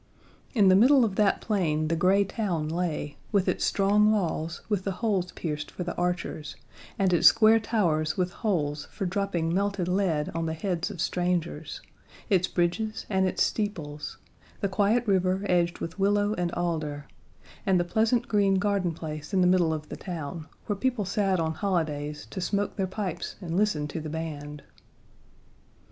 In the middle of that plain the gray town lay, with its strong walls with the holes pierced for the archers, and its square towers with holes for dropping melted lead on the heads of strangers; its bridges and its steeples; the quiet river edged with willow and alder; and the pleasant green garden place in the middle of the town, where people sat on holidays to smoke their pipes and listen to the band.